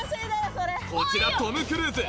こちらトム・クルーズ